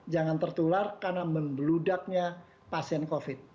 jangan tertular karena meludaknya pasien covid sembilan belas